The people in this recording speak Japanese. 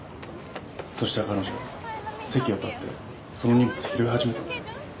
そしたら彼女席を立ってその荷物拾い始めて。